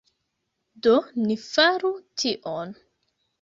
Do, ni faru tion!